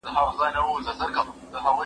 که د نورو درناوی وکړې نو ستا به هم درناوی وسي.